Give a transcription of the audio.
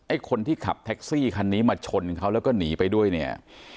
คนที่ขับแท็กซี่คันนี้มาชนเขาแล้วก็หนีไปด้วยเนี่ย